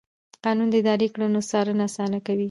قانون د اداري کړنو څارنه اسانه کوي.